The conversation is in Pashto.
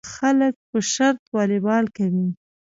خلک په شرط والیبال کوي.